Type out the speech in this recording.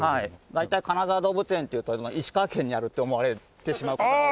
大体金沢動物園っていうと石川県にあるって思われてしまう事が多いので。